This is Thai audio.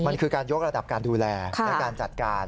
มันคือการยกระดับการดูแลและการจัดการ